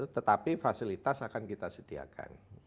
tetapi fasilitas akan kita sediakan